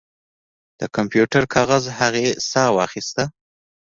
د کمپیوټر کاغذ هغې ساه واخیسته